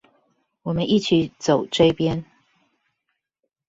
我們一起走這邊